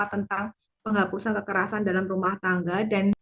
tentang penghapusan kekerasan dalam rumah tangga